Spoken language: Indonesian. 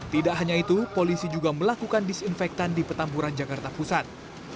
tidak hanya itu polisi juga melakukan disinfektan di petamburan jakarta pusat